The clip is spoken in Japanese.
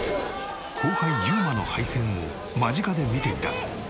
後輩侑真の敗戦を間近で見ていた。